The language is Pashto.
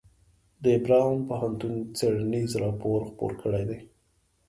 د براون پوهنتون څیړنیز راپور خپور کړی دی.